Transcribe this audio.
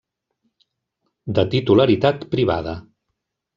De titularitat privada.